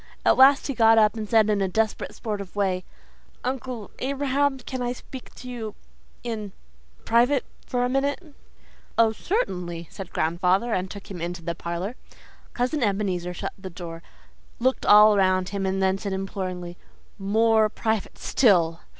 At last he got up and said in a desperate sort of way, 'Uncle Abraham, can I speak with you in private for a minute?' 'Oh, certainly,' said grandfather, and took him into the parlour. Cousin Ebenezer shut the door, looked all around him and then said imploringly, 'MORE PRIVATE STILL.